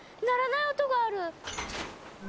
鳴らない音がある。